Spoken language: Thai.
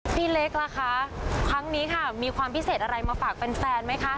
พี่เล็กล่ะคะครั้งนี้ค่ะมีความพิเศษอะไรมาฝากแฟนไหมคะ